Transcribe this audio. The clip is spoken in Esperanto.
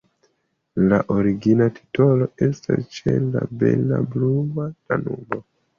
La origina titolo estas Ĉe la bela blua Danubo.